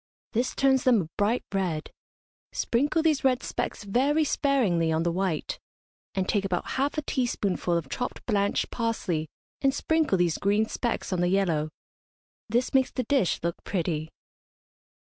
This turns them a bright red. Sprinkle these red specks very sparingly on the white, and take about half a teaspoonful of chopped blanched parsley, and sprinkle these green specks on the yellow. This makes the dish look pretty.